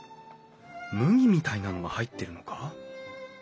麦みたいなのが入ってるのか？